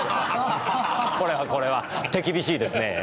これはこれは手厳しいですねぇ。